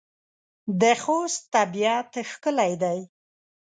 د خوست طبيعت ښکلی دی.